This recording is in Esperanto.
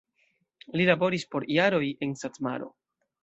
Li laboris por jaroj en Satmaro.